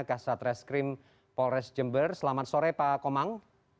kasat reskrim polres jember selamat sore pak komang